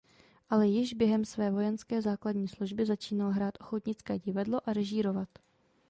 Ale již během své vojenské základní služby začínal hrát ochotnické divadlo a režírovat.